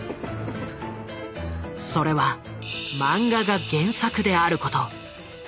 それはマンガが原作であること。